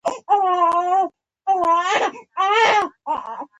ټولې بزګري ټولنې تر دې کچې ظالمانه نه وې.